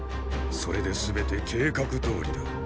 それで全て計画どおりだ。